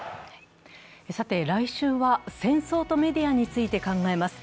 来週は、戦争とメディアについて考えます。